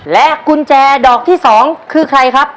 และกุญแจดอกที่๒คือใครครับ